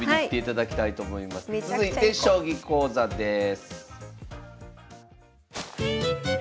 続いて将棋講座です。